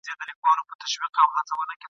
ما یې قبر دی لیدلی چي په کاڼو وي ویشتلی ..